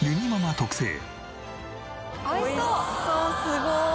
すごーい！」